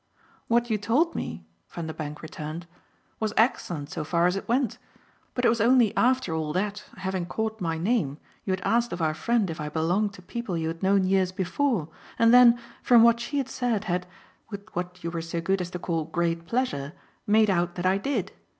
"What you told me," Vanderbank returned, "was excellent so far as it went; but it was only after all that, having caught my name, you had asked of our friend if I belonged to people you had known years before, and then, from what she had said, had with what you were so good as to call great pleasure made out that I did.